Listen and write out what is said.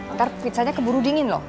ntar pizzanya keburu dingin loh